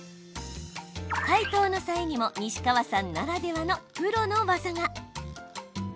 解凍の際にも西川さんならではのプロのワザが。